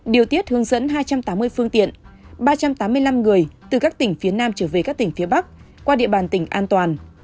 điều tiết hướng dẫn hai trăm tám mươi phương tiện ba trăm tám mươi năm người từ các tỉnh phía nam trở về các tỉnh phía bắc qua địa bàn tỉnh an toàn